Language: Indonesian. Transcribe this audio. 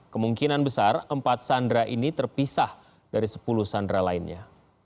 kemungkinan besar empat sandera ini terpisah dari sepuluh sandera lainnya